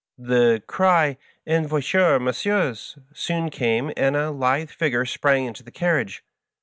The cry of^ "En voiture, messieurs 1" soon came, and a lithe figure sprang into the carriage.